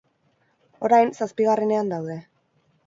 Orain, zazpigarrenean daude.